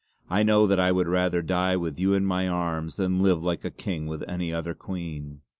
I know that I would rather die with you in my arms, than live a king with any other queen!"